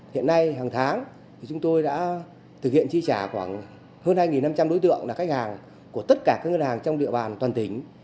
hiện nay hàng tháng chúng tôi đã thực hiện chi trả khoảng hơn hai năm trăm linh đối tượng là khách hàng của tất cả các ngân hàng trong địa bàn toàn tỉnh